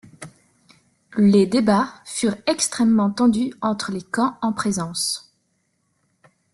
Les débats furent extrêmement tendus entre les camps en présence.